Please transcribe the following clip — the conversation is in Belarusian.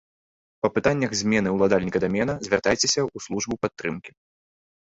Па пытаннях змены ўладальніка дамена звяртайцеся ў службу падтрымкі.